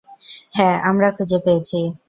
হ্যাঁ, আমরা খুঁজে পেয়েছি।